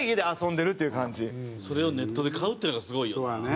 それをネットで買うっていうのがすごいよな。